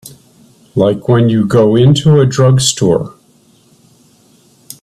Like when you go into a drugstore.